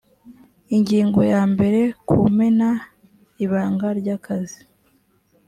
ingingo ya mbere kumena ibanga ry akazi